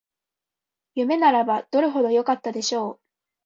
夢ならばどれほどよかったでしょう